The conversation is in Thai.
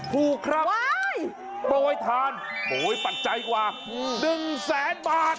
คุณครับโปรยทานโอ้โฮปัจจัยกว่า๑๐๐๐๐๐บาท